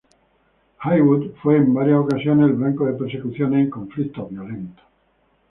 Haywood fue en varias ocasiones el blanco de persecuciones en conflictos violentos.